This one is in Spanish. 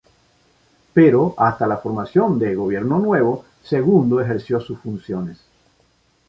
Pero hasta la formación del Gobierno nuevo, segundo ejerció sus funciones.